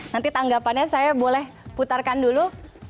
nanti tanggapannya saya boleh putarkan dulu